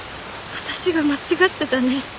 私が間違ってたね。